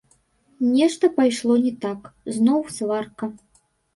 Нешта пайшло не так, зноў сварка.